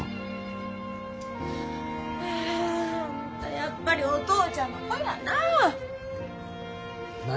やっぱりお父ちゃんの子やなあ。